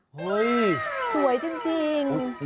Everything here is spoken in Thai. เฮ้ยสวยจริงอุ๊ย